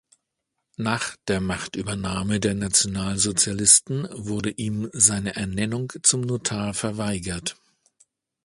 Nach der Machtübernahme der Nationalsozialisten wurde ihm seine Ernennung zum Notar verweigert.